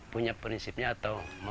punya prinsipnya atau